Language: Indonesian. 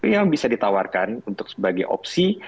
yang bisa ditawarkan untuk sebagai opsi